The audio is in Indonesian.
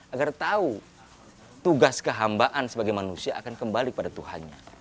agar tahu tugas kehambaan sebagai manusia akan kembali pada tuhannya